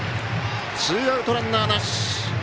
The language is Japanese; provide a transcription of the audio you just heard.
ツーアウト、ランナーなし。